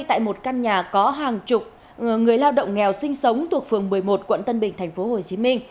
tại một căn nhà có hàng chục người lao động nghèo sinh sống tuộc phường một mươi một quận tân bình tp hcm